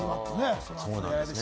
そうなんですね。